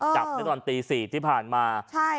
จับได้ตอนตี๔ที่ผ่านมา